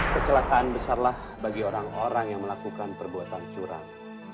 kecelakaan besarlah bagi orang orang yang melakukan perbuatan curang